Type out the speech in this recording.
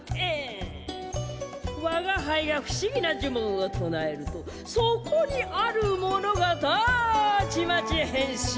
わがはいがふしぎなじゅもんをとなえるとそこにあるものがたちまちへんしん！